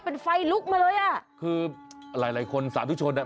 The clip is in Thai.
เป็นไฟลุกมาเลยอ่ะคือหลายหลายคนสาธุชนอ่ะ